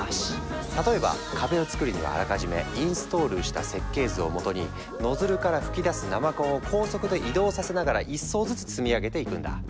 例えば壁をつくるにはあらかじめインストールした設計図をもとにノズルから噴き出す生コンを高速で移動させながら１層ずつ積み上げていくんだ。